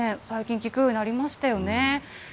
最近聞くようになりましたよね。